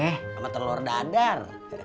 sama telur dadar